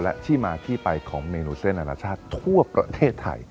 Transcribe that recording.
และที่มาที่ไปของเมนูเส้นอนาชาติทั่วประเทศไทย